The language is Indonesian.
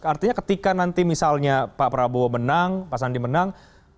artinya ketika nanti misalnya pak prabowo menang pak sandi menang